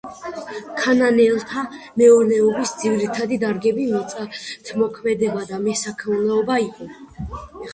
ქანაანელთა მეურნეობის ძირითადი დარგები მიწათმოქმედება და მესაქონლეობა იყო.